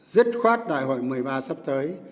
rất khoát đại hội một mươi ba sắp tới